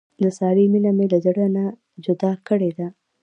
د سارې مینه مې له زړه نه جدا کړې ده.